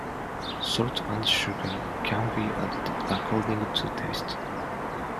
Salt and sugar can be added according to taste.